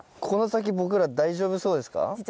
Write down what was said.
この先僕ら大丈夫そうですか？